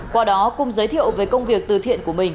qua đó cùng giới thiệu về công việc từ thiện của mình